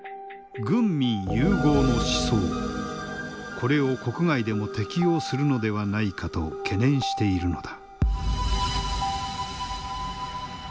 これを国外でも適用するのではないかと懸念しているのだ。